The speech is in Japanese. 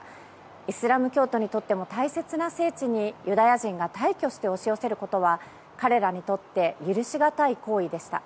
イスラム教徒にとっても大切な聖地にユダヤ人が大挙して押し寄せることは彼らにとって許しがたい行為でした。